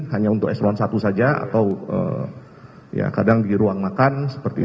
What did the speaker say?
hanya untuk eselon i saja atau ya kadang di ruang makan seperti itu